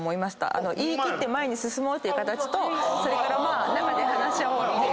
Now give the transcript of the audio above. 言い切って前に進もうっていう形とそれから話し合おうっていう。